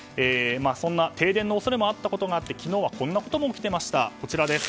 そんな停電の恐れもあったこともあってこんなことをも起きていました。